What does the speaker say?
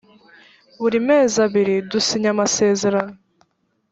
buri mezi abiri dusinya amasezerano.